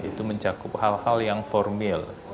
itu mencakup hal hal yang formil